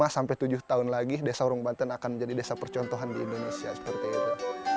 lima sampai tujuh tahun lagi desa urung banten akan menjadi desa percontohan di indonesia seperti itu